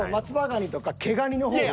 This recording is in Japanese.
ガニとか毛ガニの方が。